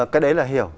cái đấy là hiểu